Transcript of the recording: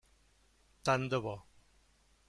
Tant de bo!